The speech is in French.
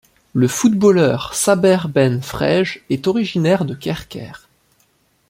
Le footballeur Saber Ben Frej est originaire de Kerker.